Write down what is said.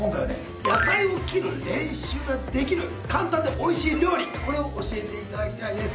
野菜を切る練習ができる簡単でおいしい料理これを教えて頂きたいです